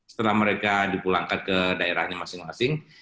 setelah mereka dipulangkan ke daerahnya masing masing